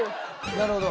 なるほど。